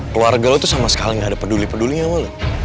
keluarga lu tuh sama sekali gak ada peduli pedulinya wala